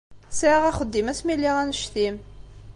Sɛiɣ axeddim asmi lliɣ annect-im.